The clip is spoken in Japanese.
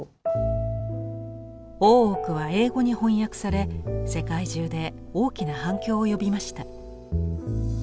「大奥」は英語に翻訳され世界中で大きな反響を呼びました。